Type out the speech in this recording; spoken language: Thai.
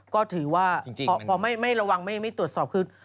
ก็ถือว่าพอไม่ระวังไม่ตรวจสอบคือ